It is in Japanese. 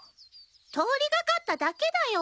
通り掛かっただけだよ。